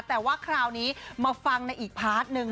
แต่ว่าคราวนี้มาฟังในอีกพาร์ทหนึ่ง